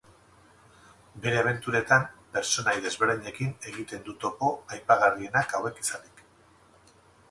Bere abenturetan pertsonaia desberdinekin egiten du topo, aipagarrienak hauek izanik.